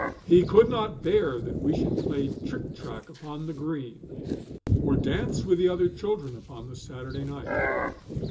He could not bear that we should play trick track upon the green, or dance with the other children upon the Saturday night.